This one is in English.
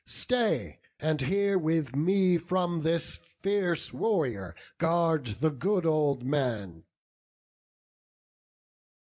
stay, and here with me From this fierce warrior guard the good old man."